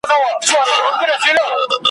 ملنګه ! دا د کومې درواﺯې خواه دې نيولې ,